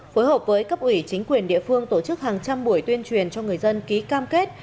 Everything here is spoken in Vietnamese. phối hợp với cấp ủy chính quyền địa phương tổ chức hàng trăm buổi tuyên truyền cho người dân ký cam kết